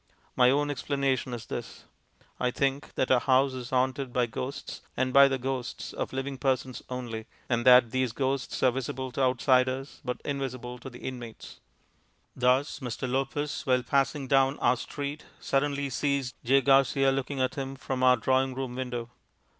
My own explanation is this. I think that our house is haunted by ghosts, but by the ghosts of living persons only, and that these ghosts are visible to outsiders, but invisible to the inmates Thus Mr. Lopez, while passing down our street, suddenly sees J. Garcia looking at him from our drawing room window.